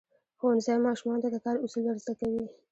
ښوونځی ماشومانو ته د کار اصول ورزده کوي.